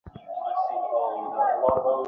চলচ্চিত্রটি ব্যাপক ব্যবসায়িক সাফল্য লাভ করে।